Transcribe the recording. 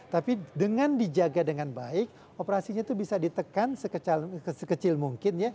tapi dengan dijaga dengan baik operasinya itu bisa ditekan sekecil mungkin ya